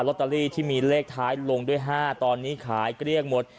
ตเตอรี่ที่มีเลขท้ายลงด้วย๕ตอนนี้ขายเกลี้ยงหมด